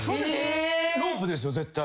ロープですよ絶対。